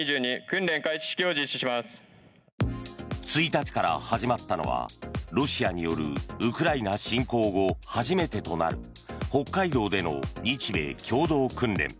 １日から始まったのはロシアによるウクライナ侵攻後初めてとなる北海道での日米共同訓練。